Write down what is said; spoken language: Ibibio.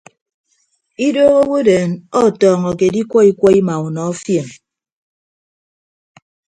Idooho awodeen ọtọọñọke edikwọ ikwọ ima unọ fien.